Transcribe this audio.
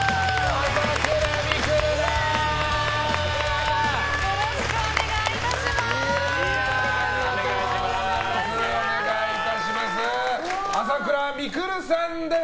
朝倉未来さんです。